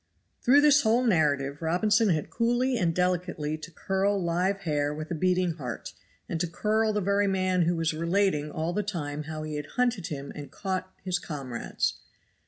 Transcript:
Through this whole narrative Robinson had coolly and delicately to curl live hair with a beating heart, and to curl the very man who was relating all the time how he had hunted him and caught his comrades.